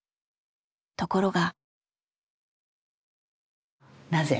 ところが。